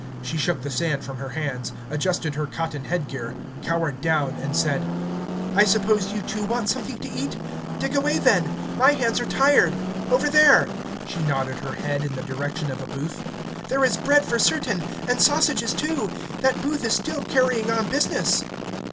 She shook the sand from her hands, adjusted her cotton head gear, cowered down, and said: "I suppose you too want something to eat? Dig away then! My hands are tired. Over there" she nodded her head in the direction of a booth "there is bread for certain ... and sausages too... That booth is still carrying on business."